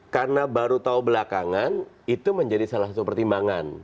karena baru tahu belakangan itu menjadi salah satu pertimbangan